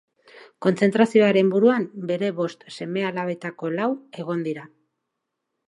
Kontzentrazioaren buruan bere bost seme-alabetako lau egon dira.